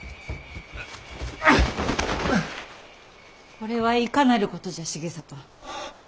これはいかなることじゃ重郷。